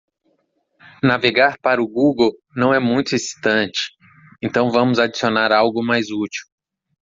Navegar para o Google não é muito excitante?, então vamos adicionar algo mais útil.